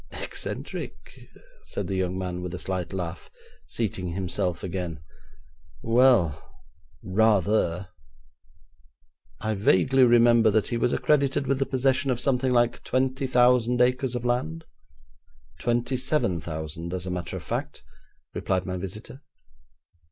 'Eccentric?' said the young man, with a slight laugh, seating himself again 'well, rather!' 'I vaguely remember that he was accredited with the possession of something like twenty thousand acres of land?' 'Twenty seven thousand, as a matter of fact,' replied my visitor.